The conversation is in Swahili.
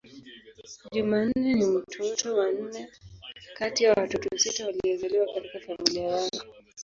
Jumanne ni mtoto wa nne kati ya watoto sita waliozaliwa katika familia yao.